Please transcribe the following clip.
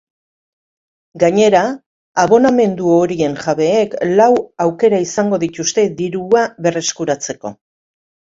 Gainera, abonamendu horien jabeek lau aukera izango dituzte dirua berreskuratzeko.